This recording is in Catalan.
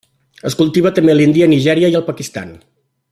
Es cultiva també a l'Índia, Nigèria i el Pakistan.